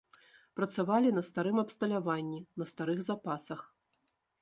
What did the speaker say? Працавалі на старым абсталяванні, на старых запасах.